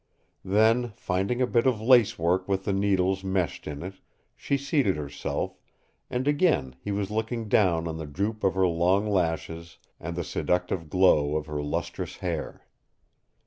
Then, finding a bit of lace work with the needles meshed in it, she seated herself, and again he was looking down on the droop of her long lashes and the seductive glow of her lustrous hair.